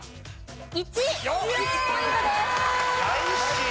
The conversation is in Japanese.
１。１ポイントです。